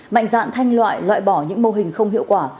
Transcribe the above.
mạnh dạn thanh loại loại bỏ những mô hình không hiệu quả